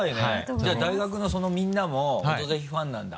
じゃあ大学のそのみんなも「オドぜひ」ファンなんだ？